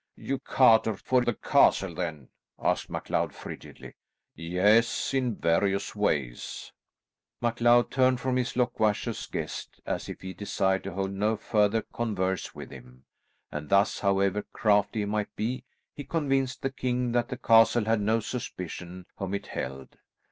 "You cater for the castle then?" asked MacLeod frigidly. "Yes, in various ways." MacLeod turned from his loquacious guest as if he desired to hold no further converse with him, and thus, however crafty he might be, he convinced the king that the castle had no suspicion whom it held.